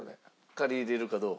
借りれるかどうか？